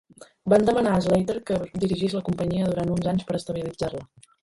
Van demanar a Slater que dirigís la companyia durant uns anys per estabilitzar-la.